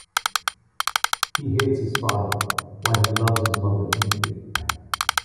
He hates his father while he loves his mother deeply.